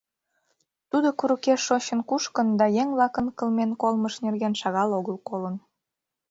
Тудо курыкеш шочын кушкын да еҥ-влакын кылмен колымышт нерген шагал огыл колын.